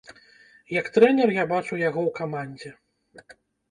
Як трэнер я бачу яго ў камандзе.